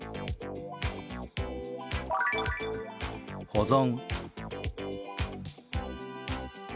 「保存」。